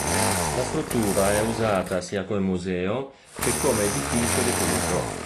La struttura è usata sia come museo che come edificio di culto.